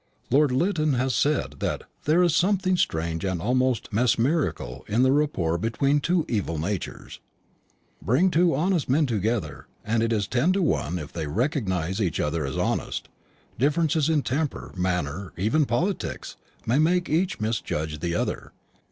Lord Lytton has said that "there is something strange and almost mesmerical in the rapport between two evil natures. Bring two honest men together, and it is ten to one if they recognise each other as honest; differences in temper, manner, even politics, may make each misjudge the other.